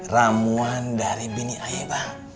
ramuan dari bini ayem bang